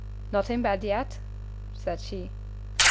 "Not in bed yet?" said she.